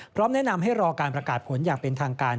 พร้อมแนะนำให้รอการประกาศผลอย่างเป็นทางการ